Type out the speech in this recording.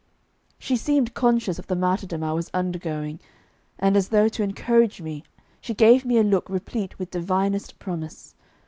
She seemed conscious of the martyrdom I was undergoing, and, as though to encourage me, she gave me a look replete with divinest promise.